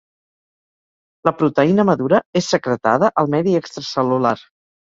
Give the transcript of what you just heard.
La proteïna madura és secretada al medi extracel·lular.